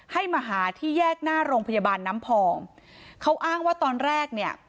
ให้มาหาที่แยกหน้าโรงพยาบาลน้ำพองเขาอ้างว่าตอนแรกเนี่ย